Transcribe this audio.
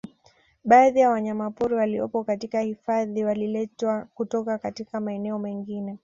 Baadhi ya wanyamapori waliopo katika hifadhi waliletwa kutoka katika maeneo mengine